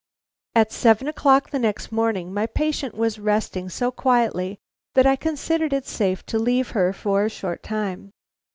At seven o'clock the next morning my patient was resting so quietly that I considered it safe to leave her for a short time.